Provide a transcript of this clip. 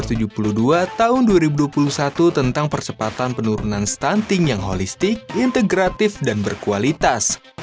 yang menunjukkan tahun dua ribu dua puluh satu tentang percepatan penurunan stunting yang holistik integratif dan berkualitas